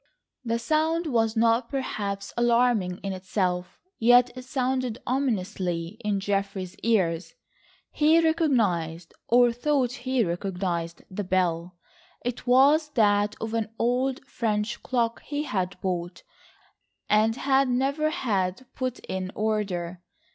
The sound was not perhaps alarming in itself, yet it sounded ominously in Geoffrey's ears. He recognised, or thought he recognised, the bell. It was that of an old French clock he had bought, and had never had put in order.